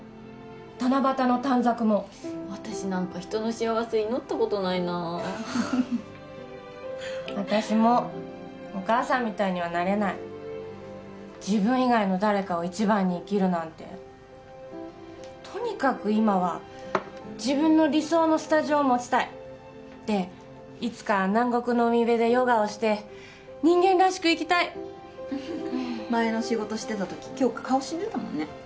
七夕の短冊も私なんか人の幸せ祈ったことないな私もお母さんみたいにはなれない自分以外の誰かを一番に生きるなんてとにかく今は自分の理想のスタジオを持ちたいでいつか南国の海辺でヨガをして人間らしく生きたい前の仕事してた時杏花顔死んでたもんね